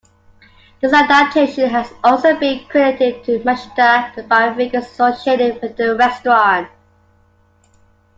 This adaptation has also been credited to Mashita by figures associated with the restaurant.